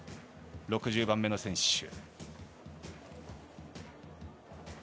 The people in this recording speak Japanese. ６０番目の選手。